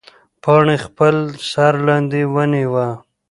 پاڼې خپل سر لاندې ونیوه.